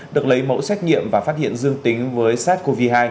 được lấy mẫu xét nghiệm và phát hiện dương tính với sars cov hai